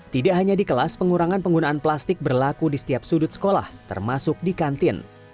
tidak hanya di kelas pengurangan penggunaan plastik berlaku di setiap sudut sekolah termasuk di kantin